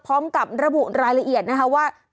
พร้อมกับระบุรายละเอียดนะคะว่า